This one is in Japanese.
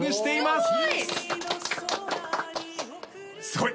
すごい！